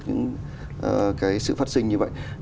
những cái sự phát sinh như vậy